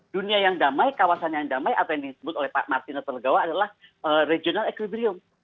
dunia yang damai kawasan yang damai atau yang disebut oleh pak martinus terlegawa adalah regional equibrium